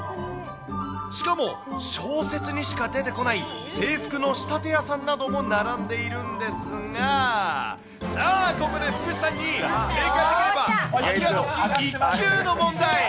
しかも小説にしか出てこない、制服の仕立て屋さんなども並んでいるんですが、さあ、ここで福士さんに正解できればマニア度１級の問題。